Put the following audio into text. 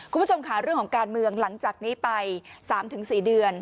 คุณผู้ชมค่ะเรื่องของการเมืองหลังจากนี้ไป๓๔เดือน